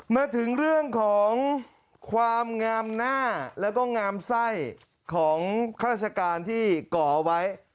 มาถึงเรื่องของความงามหน้าแล้วก็งามไส้ของข้าราชการที่ก่อไว้